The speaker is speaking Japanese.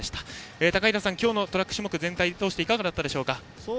高平さん、今日のトラック種目の全体をとおしていかがでしたか。